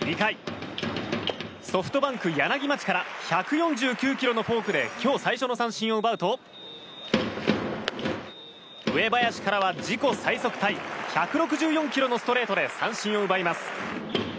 ２回、ソフトバンク柳町から１４９キロのフォークで今日最初の三振を奪うと上林からは自己最速タイ１６４キロのストレートで三振を奪います。